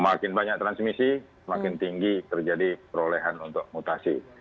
semakin banyak transmisi makin tinggi terjadi perolehan untuk mutasi